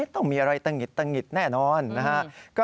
ต้องมีอะไรตะหิดตะหิดแน่นอนนะครับ